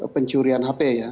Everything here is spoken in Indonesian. pencurian hp ya